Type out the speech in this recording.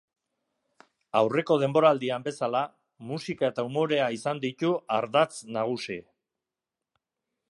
Aurreko denboraldian bezala, musika eta umorea izan ditu ardatz nagusi.